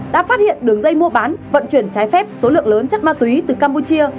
đã phát hiện đường dây mua bán vận chuyển trái phép số lượng lớn chất ma túy từ campuchia